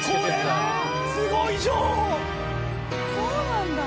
そうなんだ！